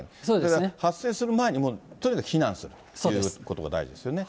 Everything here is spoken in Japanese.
だから発生する前に、もうとにかく避難するということが大事ですよね。